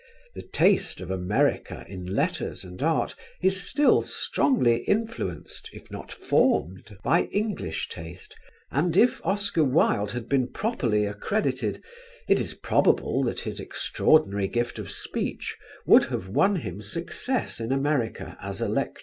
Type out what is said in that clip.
The taste of America in letters and art is still strongly influenced, if not formed, by English taste, and, if Oscar Wilde had been properly accredited, it is probable that his extraordinary gift of speech would have won him success in America as a lecturer.